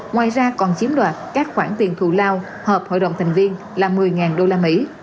ngoài ra còn chiếm đoạt các khoản tiền thù lao hợp hội đồng thành viên là một mươi đô la mỹ